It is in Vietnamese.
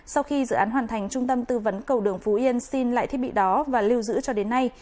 sau khi dự án hoàn thành trung tâm tư vấn cầu đường phú yên xin lại thiết bị đó và lưu giữ cho đến nay